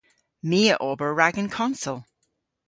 My a ober rag an konsel.